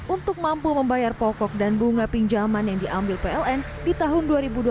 untuk mampu membayar pokok dan bunga pinjaman yang diambil pln di tahun dua ribu dua puluh